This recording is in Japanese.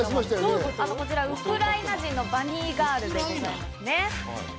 こちらウクライナ人のバニーガールさんなんですね。